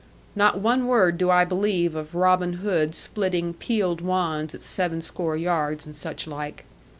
Not one word do I believe of Robin Hood splitting peeled wands at seven score yards, and such like.